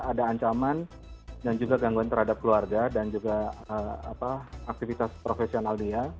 ada ancaman dan juga gangguan terhadap keluarga dan juga aktivitas profesional dia